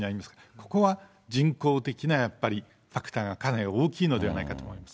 ここは人工的な、やっぱりファクターがかなり大きいのではないかと思います。